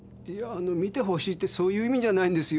あの見て欲しいってそういう意味じゃないんですよ。